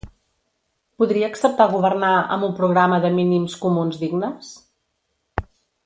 Podria acceptar governar amb un programa de mínims comuns dignes?